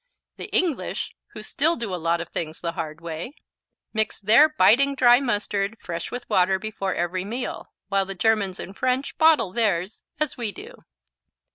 The English, who still do a lot of things the hard way, mix their biting dry mustard fresh with water before every meal, while the Germans and French bottle theirs, as we do.